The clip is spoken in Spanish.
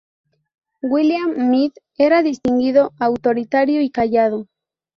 William Mead era distinguido, autoritario y callado.